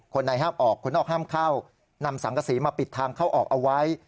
คนในห้ามออกคนนอกห้ามเข้านำสังกษีมาปิดทางเข้าออกเอาไว้